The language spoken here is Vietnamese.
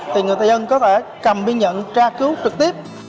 thì người tây dân có thể cầm biên nhận tra cứu trực tiếp